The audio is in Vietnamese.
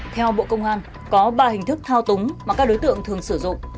theo bộ công an có ba hình thức thao túng mà các đối tượng thường sử dụng